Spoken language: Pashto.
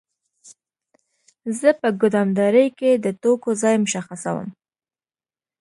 زه په ګدامدارۍ کې د توکو ځای مشخصوم.